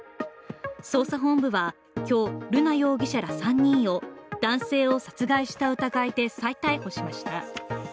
捜査本部は今日、瑠奈容疑者ら３人を男性を殺害した疑いで再逮捕しました。